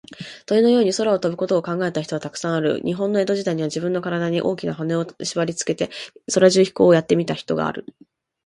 鳥のように空を飛ぶことを考えた人は、たくさんある。日本の江戸時代にも、じぶんのからだに、大きなはねをしばりつけて、空中飛行をやってみた人がある。